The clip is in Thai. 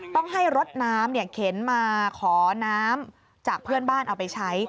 ต้องให้รถน้ำเข็นมาขอน้ำจากเพื่อนบ้านเอาไปใช้